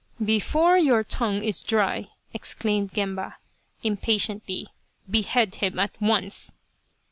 " Before your tongue is dry," exclaimed Gemba, impatiently, " behead him at once